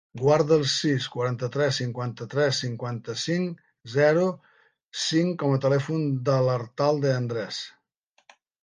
Guarda el sis, quaranta-tres, cinquanta-tres, cinquanta-cinc, zero, cinc com a telèfon de l'Artal De Andres.